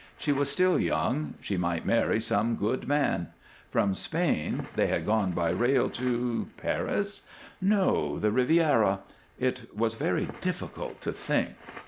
She was still young; she might marry some good man. From Spain they had gone by rail to Paris? No, the Riviera It was very difficult to think.